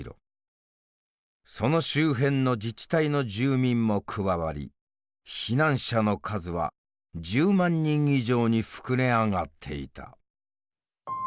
その周辺の自治体の住民も加わり避難者の数は１０万人以上に膨れ上がっていた。